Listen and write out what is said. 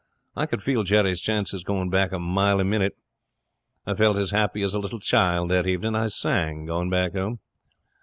I could feel Jerry's chances going back a mile a minute. I felt as happy as a little child that evening. I sang going back home.